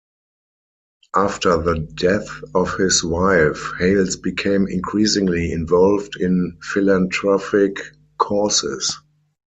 After the death of his wife, Hales became increasingly involved in philanthropic causes.